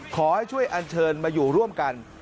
ขอให้ช่วยอันเชิญมาอยู่ร่วมกัน